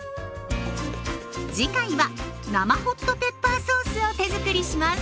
次回は生ホットペッパーソースを手づくりします。